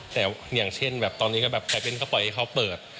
แต่อย่างเช่นแบบตอนนี้ก็แบบใครเป็นก็ปล่อยให้เขาเปิด